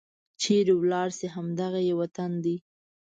چيرې ولاړې شي؟ همد غه یې وطن دی